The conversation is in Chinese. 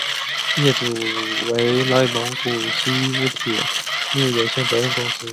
业主为内蒙古锡乌铁路有限责任公司。